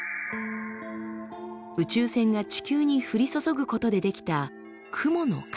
宇宙線が地球に降り注ぐことで出来た